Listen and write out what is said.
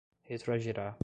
retroagirá